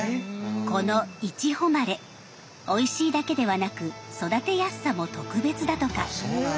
このいちほまれおいしいだけではなく育てやすさも特別だとか。